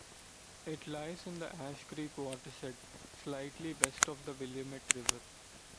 It lies in the Ash Creek watershed, slightly west of the Willamette River.